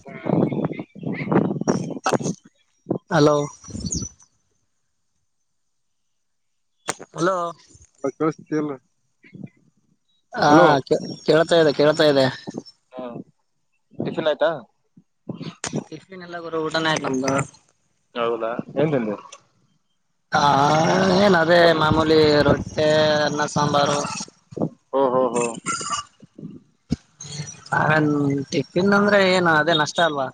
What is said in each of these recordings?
ಹ್ಮ [unintelligible] ಹಲೋ [unintelligible] ಹಾ ಹಲೋ ಕೇಳ್ ಕೆಳ್ತಾ ಇದೆ ಕೇಳ್ತಾ ಇದೆ ಹಾ [inaudible] ಟಿಫಿನ್ ಆಯ್ತಾ ಟಿಫಿನ್ ಇಲ್ಲಾ ಬ್ರೋ ಊಟಾನೆ ಆಯ್ತ ನಮ್ದ. ಹೌದಾ ಏನ್ ತಿಂದಿ ಹಾ ಏನ್ ಅದೇ ಮಾಮೂಲಿ ರೊಟ್ಟೆ ಅನ್ನ ಸಾಂಬಾರು ಹ್ಮು ಹ್ಮು ಹ್ಮೂ ಹಾನ್ ಟಿಫಿನ್ ಅಂದ್ರೆ ಏನು ಅದೇ ನಾಷ್ಟ ಅಲ್ವಾ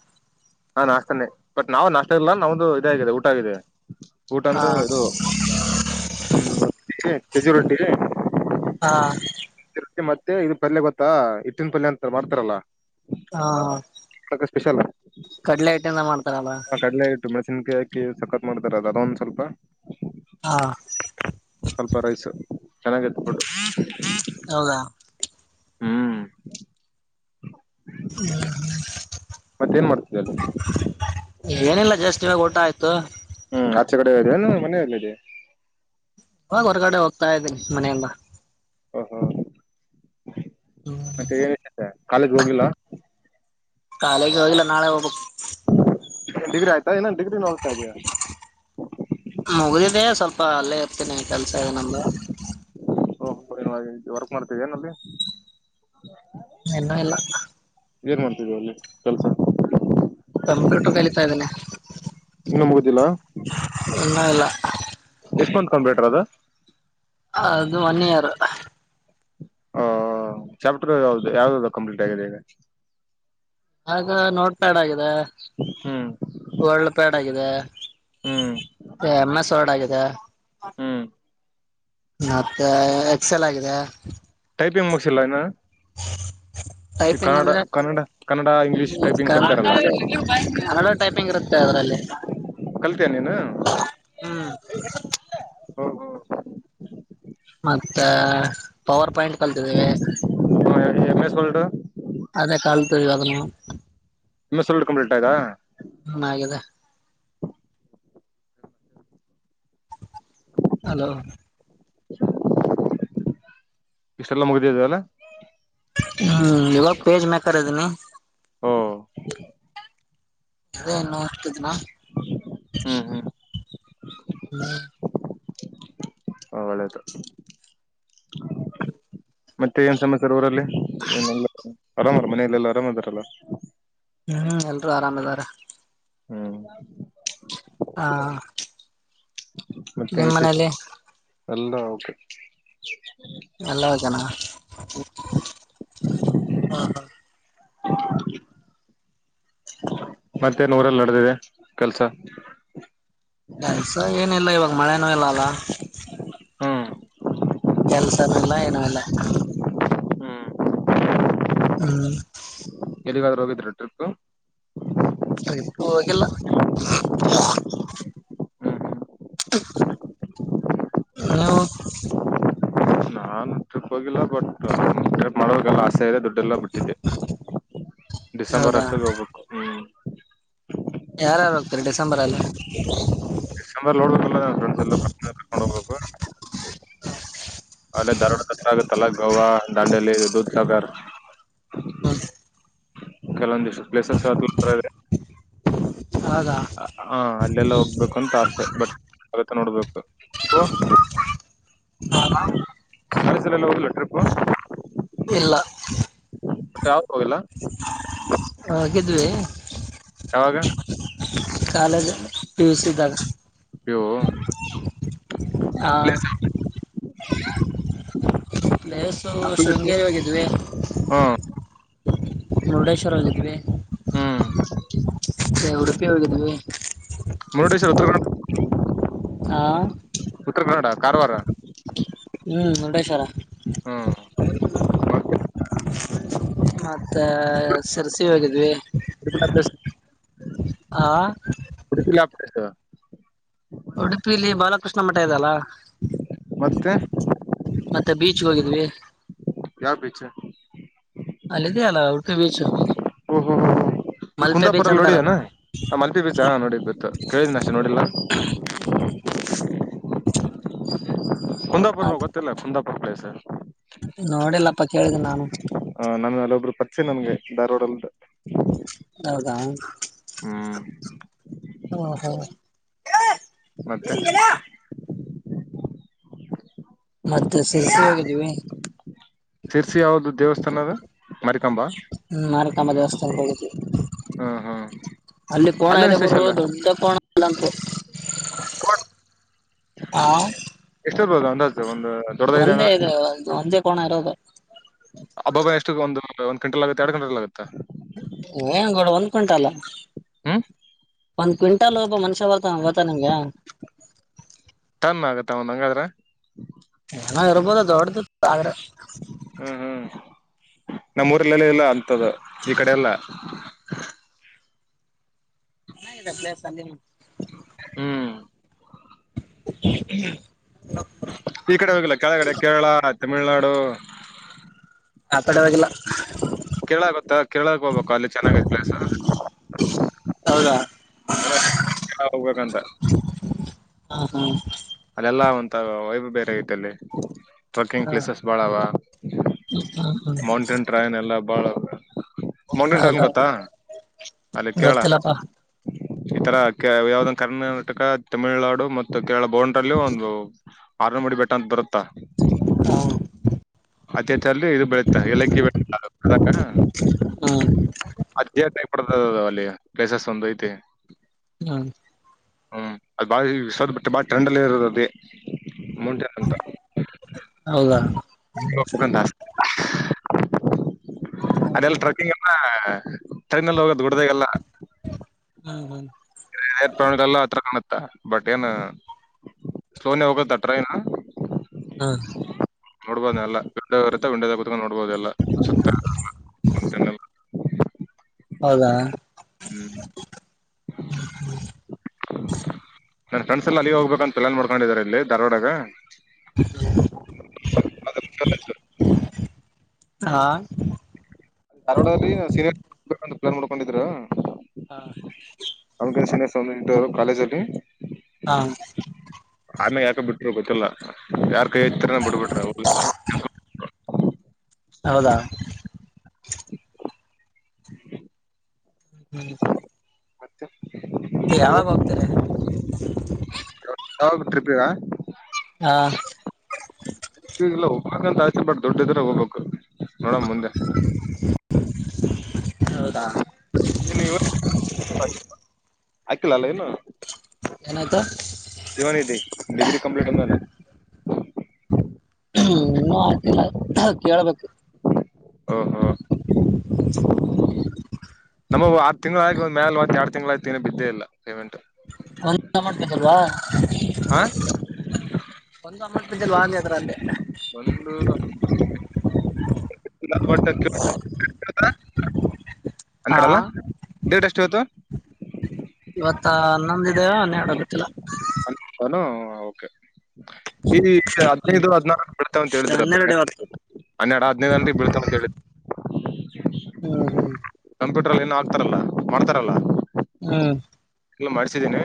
ಹಾ ನಾಷ್ಟಾನೆ ಬಟ್ ನಾವು ನಾಷ್ಟಾ ಇಲ್ಲಾ ನಮ್ದು ಇದೆ ಆಗಿದೆ ಊಟ ಆಗಿದೆ. ಊಟ ಹಾ ಅಂದ್ರೆ ಇದು [unintelligible] ಸಜ್ಜಿ ರೊಟ್ಟಿ ಆ ರೊಟ್ಟಿ ಮತ್ತೆ ಇದ ಪಲ್ಯ ಗೊತ್ತಾ ಹಿಟ್ಟಿನ ಪಲ್ಯ ಅಂತ ಮಾಡ್ತಾರಲ್ಲಾ ಹಾ [unintelligible] ಸ್ಪೆಷಲ್ ಕಡ್ಲೆ ಹಿಟ್ಟಿಂದ ಮಾಡ್ತಾರಲ್ಲಾ ಕಡ್ಲೆ ಹಿಟ್ಟು ಮೆಣಸಿನಕಾಯಿ ಹಾಕಿ ಸಕ್ಕತ್ ಮಾಡತಾರ ಅದ ಒಂದು ಸ್ವಲ್ಪ ಹಾ [unintelligible] ಸ್ವಲ್ಪ ರೈಸು ಚೆನ್ನಾಗಿ ಇತ್ತು ಫುಡ್ ಹೌದಾ [inaudible] ಹ್ಮ್ಮ್. [unintelligible] ಮತ್ತ ಏನ್ ಮಾಡ್ತಿದಿಯಾ ಅಲ್ಲಿ ಏನಿಲ್ಲ ಜಷ್ಟ ಇವಾಗ ಊಟ ಆಯ್ತು ಹ್ಮ್ ಆಚೆ ಕಡೆ ಏರಿಯಾ ನಿಮ್ಮ ಮನೆಯಲ್ಲಿದೆ ಇವಾಗ ಹೊರಗಡೆ ಹೋಗ್ತಾ ಇದ್ದೀನಿ ಮನೆಗ್ ಬಾ ಓಹೋ ಮತ್ತೆ ಏನ್ [unintelligible] ಕಾಲೇಜ್ ಗೆ ಹೋಗಿಲ್ಲಾ ಕಾಲೆಜ್ ಹೋಗಿಲ್ಲ ನಾಳೆ ಹೋಬಕ್ ಇಗೆನ್ ಡಿಗ್ರಿ ಆಯ್ತಾ ಇನ್ನೇನ್ ಡಿಗ್ರಿ ನ ಹೋಗ್ತಾ ಇದಿಯಾ ಮುಗಿದಿದೆ ಸ್ವಲ್ಪ ಅಲ್ಲೇ ಇರ್ತೀನಿ ಕೆಲ್ಸ ಇದೆ ನಂದು ಓಹ್ [unintelligible] ವರ್ಕ್ ಮಾಡ್ತೇದಿ ಏನಲ್ಲಿ. ಇನ್ನು ಇಲ್ಲಾ ಏನ್ ಮಾಡ್ತಿದಿಯಾ ಅಲ್ಲಿ ಕೆಲ್ಸ್ ಕಂಪ್ಯೂಟರ್ ಕಲಿತಾ ಇದೇನೆ ಇನ್ನೂ ಮುಗದಿಲ್ಲಾ [unintelligible] ಇಲ್ಲಾ ಇಲ್ಲ ಎಷ್ಟಮಂತ್ ಕಂಪ್ಯೂಟರ್ ಅದ ಅದು ಒನ್ ಇಯರ್ ಓ ಚಾಪ್ಟರ್ ಯಾವ್ದ ಯಾವ್ದದ್ ಕಂಪ್ಲೀಟ್ ಆಗಿದೆ ಈಗ. ಅದ ನೋಟ್ ಪ್ಯಾಡ್ ಆಗಿದೆ [inaudible] ಹ್ಮ. ವರ್ಲ್ಡ್ ಪ್ಯಾಡ್ ಆಗಿದೆ ಎಮ್ ಎಸ್ ವರ್ಡ್ ಆಗಿದೆ ಹ್ಮ. ಮತ್ತ ಎಕ್ಸೆಲ್ ಆಗಿದೆ ಟೈಪಿಂಗ್ ಮುಗ್ಸಿಲ್ಲ ಹೀನ. ಈ ಟೈಪಿಂಗ್ ಕನ್ನಡ ಅಂದ್ರೆ ಕನ್ನಡ ಕನ್ನಡ ಇಂಗ್ಲಿಷ್ ಟೈಪಿಂಗ್ ಕಲ್ತಿರಲ್ಲ. ಹಲಡೆ ಟೈಪಿಂಗ್ ಇರುತ್ತೆ ಅದರಲ್ಲಿ. ಕಲ್ತಿಯ ನೀನು. ಹ್ಮ್ ಮತ್ತ ಪವರ್ ಪಾಯಿಂಟ್ ಕಲ್ತಿದ್ದೀವಿ. ಹ್ಮ [unintelligible] ಎಮ್ಮೆಸ್ ವರ್ಡು. ಅದೇ ಕಲ್ತವಿ ಅದನ್ನು. ಎಮ ಎಸ್ ವರ್ಡ್ ಕಂಪ್ಲಿಟ ಆಯ್ತಾ. ಹ್ಮ್ ಆಗಿದೆ. ಹಲೋ. ಇಷ್ಟೆಲ್ಲ ಮುಗಿದದೆಲ. ಹ್ಮ್ ಇವಾಗ ಪೇಜ್ ಮೇಕರ್ ಇದಿನಿ. ಹ್ಮ ಅದೆ ನೋಡ್ತಿದಿನಾ. ಹ್ಮ್ ಹ್ಮ್ ಹ ಒಳ್ಳೆದು. ಮತ್ತೆ ಏನ್ ಸಮಾಚಾರ ಊರಲ್ಲಿ ಏನಿಲ್ಲಾ ಆರಾಮಹರ ಮನೆಲೆಲ್ಲ ಆರಾಮ್ ಅದಾರಲ್ಲ. ಹ್ಮ್ ಎಲ್ರು ಆರಾಮ್ ಇದಾರ. ಹ್ಮ್ ಹಾ ಮತ್ತೆ ವಿಶೇ ಎಲ್ಲ ಓಕೆ. ಎಲ್ಲ ಜನ ಹ ಹ. [inaudible] ಮತ್ತೆನ್ ಊರಲ್ಲಿ ನಡೆದಿದೆ ಕೆಲ್ಸ. ಕೆಲ್ಸ ಏನ ಇಲ್ಲ ಇವಾಗ ಮಳೆನೂ ಇಲ್ಲಲ್ಲ. ಹ್ಮ್ ಕೆಲ್ಸನ ಇಲ್ಲ ಏನು ಇಲ್ಲ. ಹ್ಮ್ ಹ್ಮ್ ಎಲ್ಲಿಗಾದ್ರೂ ಹೋಗಿದ್ರಿ ಟ್ರಿಪು. ಟ್ರಿಪ್ಪು ಹೋಗಿಲ್ಲ. ಹ್ಮ್ ನೀವು. ನಾನು ಟ್ರಿಪ್ ಹೋಗಿಲ್ಲ ಬಟ್ ಟ್ರಿಪ್ ಮಾಡಬೇಕೆಲ್ಲ ಆಸೆ ಇದೆ ದೊಡ್ ಡ್ಡಿಲ್ಲ ಬಿಟ್ಟಿದ್ದೆ ಡಿಸೆಂಬರ್ ಹೌದಾ ಅಸ್ಟ್ರಲ್ಲಿ ಹೋಗ್ಬೇಕು ಹ್ಮ್. ಯಾರ್ಯಾರ ಹೋಗ್ತಿರಿ ಡಿಸೆಂಬರಲ್ಲಿ. ಡಿಸೆಂಬರ್ಲಿ ನೋಡಬೇಕೆಲ್ಲ ಫ್ರೆಂಡ್ ಎಲ್ಲ ಕಲ್ತ್. ಅಲ್ಲೇ ಧಾರವಾಡ್ಕ ಹತ್ರ ಆಗತ್ತಲ್ಲ ಗೋವಾ ದಾಂಡಲಿ ದೂದ್ ಸಾಗರ್. ಹ್ಮ್ ಕೆಲೊಂದಿಷ್ಟ ಪ್ಲೇಸೆಸ್ [unintelligible] ಇದೆ. ಹೌದಾ. ಹ ಅಲ್ಲೆಲ್ಲ ಹೋಗ್ಬೇಕು ಅಂತ ಆಸೆ ಬಟ್ ಆಗತ್ತ ನೋಡ್ಬೇಕು. ಹೌದಾ. ಕಾಲೇಜಲೆಲ್ಲ ಹೋಗಿಲ್ಲ ಟ್ರಿಪ್ಪು. ಇಲ್ಲ. ಒಟ್ಟ ಯಾವುಕ್ ಹೋಗಿಲ್ಲ. ಹೊಗಿದ್ವಿ. ಯಾವಾಗ. College P U C college ಯವು ಆ ಪ್ಲೀಸ್ ಯಾವುದು [inaudible] [unintelligible] ಪ್ಲೇಸು ಶೃಂಗೇರಿ ಹೋಗಿದ್ವಿ. ಮುರುಡೇಶ್ವರ ಹೋಗಿದ್ವಿ. ಹ್ಮ್ ಮತ್ತೆ ಉಡುಪಿ ಹೋಗಿದ್ದಿವಿ. ಮುರುಡೇಶ್ವರ್ ಉತ್ತರ ಕನ್ನಡ, ಆ ಉತ್ತರ ಕನ್ನಡ, ಕಾರವಾರ. ಹ್ಮ್, ಮುರುಡೇಶ್ವರ ಹಾ, ಮತ್ತೆ ಮತ್ತ ಸಿರಸಿ ಹೋಗಿದ್ವಿ. ಇ [inaudible] ಆ ಇಾಸ [inaudible] ಉಡುಪಿಲ್ಲಿ ಬಾಲಕೃಷ್ಣ ಮಠ ಇದೆಲ್ಲಾ. ಮತ್ತೆ- ಮತ್ತೆ ಬೀಚ್ ಹೋಗಿದ್ವಿ. ಯಾವ ಬೀಚ್? ಅಲ್ಲಿದೆಯಲ್ಲ ಉಡುಪಿ ಬೀಚ, ಓಹೋ ಮಲ್ಪೆ ಬೀಚ್ ಅಂತಾರಲ್ಲ. ಹ, ಮಲ್ಪಿ ಬೀಚ ನೋಡಿನಿ ಬಿ ಕೇಳಿನ ಅಷ್ಟೆ ನೋಡಿಲ್ಲಾ. ಕುಂದಾಪುರ್ ನ ಗೊತ್ತಿಲ್ಲ ಕುಂದಾಪುರ್ ಪ್ಲೇಸ್ ನೋಡಿಲ್ಲಪ್ಪ ಕೇಳಿನಿನಾನು. ಆ ನಮಗ ಅಲ್ಲಿಬ್ರು ಪರಿಚಯನನ್ಗೆ ಧಾರವಾಡದ ಲ್ಲಿ. ಹೌದಾ, ಹ್ಮ್ ಓ ಹೋ- ಮತ್ತೆ, ಮತ್ತೆ ಶಿರ್ಸಿ ಹೋಗಿದ್ವಿ. ಶಿರ್ಸಿ ಯಾವುದ ದೇವಸ್ಥಾನ ಅದ? ಮಾರಿಕಾಂಬಾ ಹ್ಮ್, ಮಾರಿಕಾಂಬಾ ದೇವಸ್ಥಾನಕ್ಕೆ ಹೋಗಿದ್ವಿ. ಹ್ಮ್ ಹ್ಮ್ ಅಲ್ಲಿ ಕೋಣ ಅಲ್ಲೇನ್ ಇದೆ ಗುರು ಸ್ಪೆಷಲ್ ದೊಡ್ಡ ಕೋಣ ಅಲ್ಲಂತು. ಹಾ, ಎಷ್ಟಿರಬೋದು ಅಂಜಾದ ಒಂದು ದೊಡ್ಡದ ಇದೆ ಒಂದೇ ಅಂದ್ರೆ ಇದಒಂದೇ ಕೋಣ ಇರೋದು. ಹಬ್ಬಬ್ಬಾ ಎಷ್ಟು ಒಂದು ಒಂದ್ ಕ್ವಿಂಟಾಲ್ ಆಗುತ್ತೆಎರಡು ಕ್ವಿಂಟಾಲ್ ಆಗುತ್ತ. ಏನ್ ಗೌಡ ಒಂದ್ ಕ್ವಿಂಟಲ್ ಹ್ಮ್ ಒಂದ್ ಕ್ವಿಂಟಾಲ್ ಒಬ್ಬ ಮನುಷ್ಯ ಬರ್ತಾನ ಗೊತ್ತಾ ನಿಮ್ಗಾ. ಟನ್ ಆಗತ್ತ ಒಂದ ಹಂಗಾದ್ರೆ ಆ ಇರ್ಬೋದ ದೊಡ್ಡ್ದ. ್ರ [inaudible] ಹ್ಮ್, ಹ್ಮ್ ನಮ್ಮೂಊರಲ್ಲೆಲ್ಲ ಇಲ್ಲ ಅಂತದ ಈ ಕಡೆ ಎಲ್ಲಾ ಹದೆ ಪ್ಲೇಸ್ [unintelligible] ಹ್ಮ್, ಈ ಕಡೆ ಹೋಗಿಲ್ಲ ಕೆಳಗಡೆ ಕೇರಳ ತಮಿಳ್ನಾಡು. ಆ ಕಡೆಹೋಗಿಲ್ಲಾ ಕೇರಳಾಗೊತ್ತ ಕೇರಳಕ್ಕೆ ಹೋಗ್ಬೇಕು ಅಲ್ಲಿ ಚೆನ್ನಾಗ ಐತೆ ಪ್ಲೇಸ್ ಹೌದಾ! ಹಾ ಹೋಗದಂತ. ಹಾ ಹಾ. ಅಲ್ಲೆಲ್ಲಾ ಒಂತ ವೈಬ್ ಬ್ಯಾರೆ ಆಗೆತ ಅಲ್ಲಿ. ಟ್ರಕ್ಕಿಂಗ್ ಹಾ ಪ್ಲೇಸಸ್ ಭಾಳ ಅವ ಹಾ ಹಾ ಮೌಂಟೇನ್ ಟ್ರೈನ್ ಎಲ್ಲ ಬಾಳ ಮೌಂಟೈನ್ ಟರ್ನ್ ಹೌದಾ ಗೊತ್ತಾ ಅಲ್ಲಿ ಕೇರಳ. ಗೊತ್ತಿಲ್ಲಪ್ಪಾ ಈ ತರ ಕ್ ಯಾವ್ದಂದು ಕರ್ನಾಟಕ ತಮಿಳ್ನಾಡು ಮತ್ತು ಕೇರಳ ಬೊಂಡರಲ್ಲಿ ಒಂದು ಆರ್ನಮಡಿ ಬೆಟ್ಟ ಅಂತ ಬರತ್ತಾ. [unintelligible] ಅದೇ ತಲ್ಲಿ ಇದು ಬರತ್ತ್ ಎಲಕ್ಕಿ ಬೆಟ್ಟ ಅದೇ ಟೈಪ್ ಟ್ರೇದ್ ಅಲ್ಲಿ ಪ್ಲೇಸಸ್ ಒಂದ್ ಐತಿ ಹ್ಮ. ಹ್ಮ್ ಅದು ಬಾಳ ವಿಸದ ಬಿಟ್ಟ ಬಾಳ ಟ್ರೆಂಡಲ್ಲಿ ಇರೋದ ಅದೇ ಮೌಂಟೇನ್ ಅಂತ. ಹೌದಾ. ನಂಗು ಹೋಗಬೇಕಂತ ಆಸೆ ಅದೆಲ್ಲ ಹ್ಮ್ ಟ್ರಕ್ಕಿಂಗ್ ಹ ತಗನಲ್ಲಿ ಹೋಗೋದ ಗುಡದಾಗೆಲ್ಲ. ಹ್ಮ್ ಹ್ಮ್. ಹತ್ರ ಕಾಣುತ್ತ ಬಟ್ ಏನ್ ಸ್ಲೋನೇ ಹೋಗುತ್ತ ಟ್ರೈನ್. ಹ್ಮ. ನೋಡ್ಬೋದ ಎಲ್ಲ ವಿಂಡೋ ಇರುತ್ತ ವಿಂಡೋದಾಗ ಕುತ್ಕೊಂಡ ನೋಡ್ಬೋದ ಎಲ್ಲ ಸುತ್ತ. [unintelligible] ಹೌದಾ. ಹ್ಮ್. ನನ್ ಫ್ರೆಂಡ್ಸ್ ಎಲ್ಲಾ ಅಲ್ಲಿಗ ಹೋಗ್ಬೇಕಂತ ಪ್ಲಾನ್ ಮಾಡ್ಕೊಂಡಿದಿದಾರ ಇಲ್ಲಿ ಧಾರ್ವಾಡಗ. ಹಾ. ಧಾರವಾಡದಲ್ಲಿ ಸೀನಿಯರ್ [unintelligible] ಪ್ಲಾನ್ ಮಾದಕ್ಕೊಂಡಿದ್ರ. ಹಾ. ನಮ್ಮಕಸಿಂದ ಸ್ವಾಮಿನ ಇಟ್ಟಿವಿ ಕಾಲೇಜಲ್ಲಿ. ಹಾ. ಆಮೇಲ್ ಯಾಕ ಬಿಟ್ಟರ ಗೊತ್ತಿಲ್ಲ ಯಾರ್ ಕೈ ಬಿಡ್ಬಿಟ್ರ ಹೋಗಿಲ್ಲ. ಹೌದಾ. ಹ್ಮ ಹ್ಮ್. ಮತ್ತೆ ಯಾವಾಗ ಹೋಗ್ತಾರೆ. ಯಾವಾಗ್ ಟ್ರಿಪ್ಪಿಗಾ. ಹಾ. ಈಗಲ್ಲ ಹೋಗಂತ ಆಸೆ ಬಟ್ ದುಡ್ಡಿದ್ರ ಹೋಗ್ಬೇಕು ನೋಡಣ ಮುಂದೆ. [inaudible] ಹಾಕಿಲ್ಲ ಅಲ್ಲ ಇನ್ನು. ಎನತ. ಯುವನಿಧಿ ಡಿಗ್ರಿ ಕಂಪ್ಲೀಟ್ ಆದ್ಮೇಲ್. ಹ್ಮ ಇನ್ನ ಹಾಕಿಲ್ಲಾ ಕೇಳ್ಬಕ್. ಹಾ ಹಾ. [inaudible] ನಮ್ಮೂವ ಆರ್ ತಿಂಗಳ ಆಗಿ ಮ್ಯಾಲ ಒಂದ್ ಯಾಡ್ ತಿಂಗಳ ಐತ್ ಇನ್ನ್ ಬಿದ್ದೆ ಇಲ್ಲಾ ಪೇಮೆಂಟ್. [unintelligible] ಹಾ. ಒಂದು ಅಮೌಂಟ್ ಬಂದಿಲ್ವಾ ಅದ್ರಲ್ಲಿ. ಒಂದುೂ [unintelligible] ಟ್ಟಕ್ಕೆ [inaudible] [inaudible] ಹನ್ನೇರಡಲ್ಲ ಡೇಟ್ ಎಷ್ಟು ಇವತ್ತು. ಇವತ್ತ ಹನ್ನೊದಿದೆೇ ಹನ್ನೆರೆಡಗೊತ್ತಿಲ್ಲಾ. ಅನುಓಕೆ ಈ ಹದಿನೈದು ಹ್ಮ್ ಹದ್ನಾಲಕ್ಕು ಬರ್ತಾವ ಅಂತ ಹೇಳಿದ್ರ ಹನ್ನೆರಡು ಇವತ್ತು [unintelligible] ಹನ್ನೆರಡು ಹದ್ನೈದಂದಿ ಬೀಳ್ತಾವಂತ ಹೇಳಿದ ಹ್ಮ, ಹ್ಮ್ ಕಂಪ್ಯೂಟರ್ನಲ್ಲಿ ಏನೂ ಹಾಕ್ತಾರಲ್ಲ ಮಾಡ್ತಾರಲ್ಲ ಹ್ಮ್, ಎಲ್ಲ ಮಾಡ್ಸೀದ್ದೀನಿ.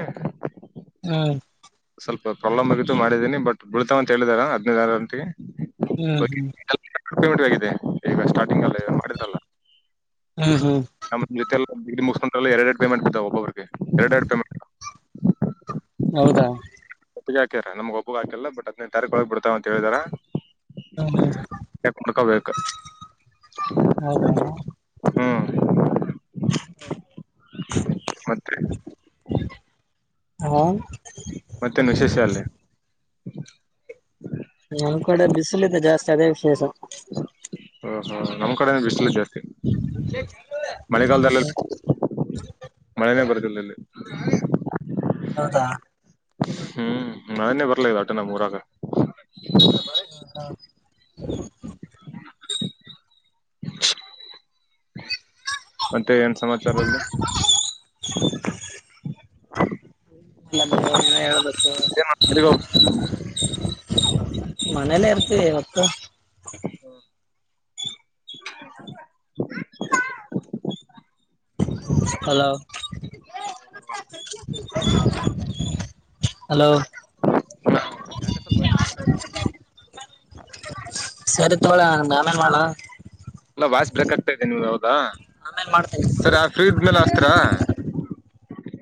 ಹ್ಮ್, ಸ್ವಲ್ಪ ಪ್ರಾಬ್ಲಮ್ ಆಗಿತ್ತು ಮಾಡಿದ್ದೀನಿ ಬಟ್ ಬೀಳ್ತಾವ ಅಂತ ಹೇಳಿದಾರ ಹದಿನೈದಾದಂತಿ. ಹ್ಮ್, ಹ್ಮ್ ಕಿಲೋಮೀಟರ್ ಆಗಿದೆ ಈಗ ಸ್ಟಾರ್ಟಿಂಗ್ ಅಲ್ಲ ಈಗ ಮಾಡಿದ್ರಲ್ಲಾ. ಹ್ಮ್ ಹ್ಮ್ ಹ್ಮ್ ಹ್ಮ್ ನಮ್ ಜೊತೆಲ್ಲ ಬ ಮುಸ್ಕೊಂಡ್ರ ಎರೆಡೆರಡು ಪೇಮೆಂಟ್ ಬಿದ್ದಾವ ಒಬ್ಬಬ್ರಿಗೆ ಎರಡೆರಡು ಪೇಮೆಂಟ್ ಹೌದಾ, ಒಬ್ಬವಗಹಾಕ್ಯಾರ ನಮಗ್ ಒಬ್ಬ ಹಾಕಿಲ್ಲ ಬಟ್ ಹತ್ತ್ನೆತಾರೀಖ ಒಳಗಬಿಳತಾವ ಅಂತ ಹೇಳಿದ್ದಾರೆ. ಹ್ಮ್, ಹ್ಮ್ ಹೌದಾ ಹ್ಮ್, ಹ್ಮ [inaudible] ಮತ್ತೆ ಹಾ, ಮತ್ತೇನು ವಿಶೇಷ ಅಲ್ಲಿ? ಹ್ಮ [inaudible] ನಮ್ ಕಡೆ ಬಿಸಿಲ್ ಇದೆ ಜಾಸ್ತಿ ಅದೇ ವಿಶೇಷ. ಹ್ಮ್, ನಮ್ಮ್ ಕಡೆನು ಬಿಸಿಲಿದೆ. ಹೌ [inaudible] ಮಳೆನೇ ಬರದಿಲ್ಲ ಇಲ್ಲಿ ಹೌದಾ [unintelligible] ಹ್ಮ್, ಮಳೆನೇ ಬರ್ಲಾಗದ ಒಟ್ಟನಮ್ಮೂರಾಗ. ಹ್ಮ ಹಾ [inaudible] [unintelligible] ಮತ್ತೆ ಏನ್ ಸಮಾಚಾರ ಅಲ್ಲಿ. [inaudible] ನರು ನೀ [unintelligible] ಹೇಳಬೇಕು ಮನೇಲ್ಲೇ ಇರ್ತೀವಿ ಇವತ್ತು. ಹ್ಮ [inaudible] ಅಪ್ಪ [unintelligible] ಹಲೋ, [unintelligible] ಹಲೋ, ಹ ಯಕಸ ವಯಸ್ ಬ [unintelligible] ಸರಿ ತೋಗಳಿ ನಾನು ಆಮೇಲೆ ಮಾಡ್ಲಾ ಅಲ್ಲಾ ವಾಯ್ಸ್ ಬ್ರೇಕಾಗ್ತೈತ ಈವಾಗ. ಆಮೇಲೆ ಮಾಡತೀನಿ ಫ್ರೀಜ್ ಮೇಲೆ ಅಸ್ತ್ರಾ